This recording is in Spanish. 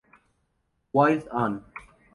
Wild On!